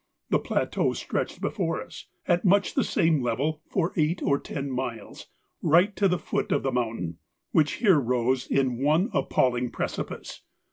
The plateau stretched before us, at much the same level for eight or ten miles, right to the foot of the mountain, which here rose in one appalling precipice.